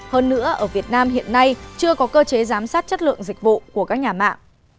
hơn nữa ở việt nam hiện nay chưa có cơ chế giám sát chất lượng dịch vụ của các nhà mạng